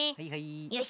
よし。